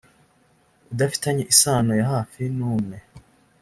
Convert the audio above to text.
udafitanye isano ya hafi n umwe